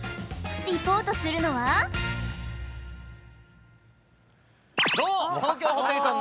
リポートするのはどうも！